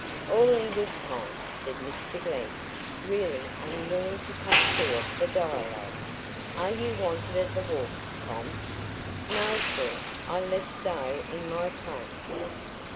"All in good time," said Mr Glegg, really unwilling to cut short the dialogue. "Are you wanted at the wharf, Tom?" "No, sir; I left Stowe in my place."